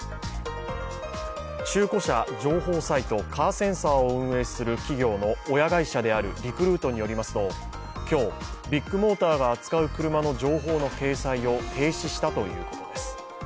中古車情報サイト、カーセンサーを運営する企業の親会社であるリクルートによりますと今日、ビッグモーターが扱う車の情報の掲載を停止したということです。